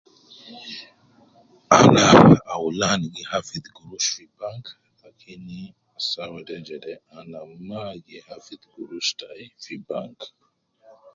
Ana aulan gi hafidh fi bank lakin saa wede jede, ana mma gi hafidh gurush tayi fi bank.